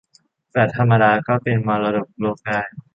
แฟลตธรรมดาก็เป็นมรดกโลกได้